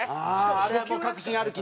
あれはもう確信歩き？